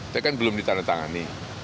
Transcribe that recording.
tapi kan belum ditandatangani